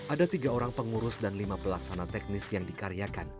ada tiga orang pengurus dan lima pelaksana teknis yang dikaryakan